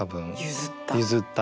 譲った。